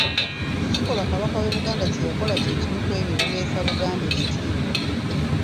Ekikolwa Kabaka w'e Buganda kye yakola kye kimu ku ebyo ebiweesa Buganda ekitiibwa.